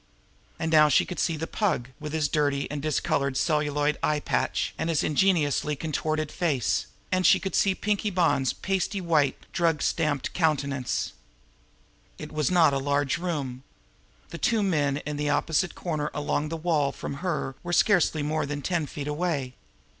And now she could see the Pug, with his dirty and discolored celluloid eye patch, and his ingeniously contorted face; and she could see Pinkie Bonn's pasty white, drug stamped countenance. It was not a large room. The two men in the opposite corner along the wall from her were scarcely more than ten feet away.